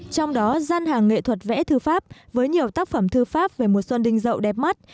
trong đó gian hàng nghệ thuật vẽ thư pháp với nhiều tác phẩm thư pháp về mùa xuân đinh rậu đẹp mắt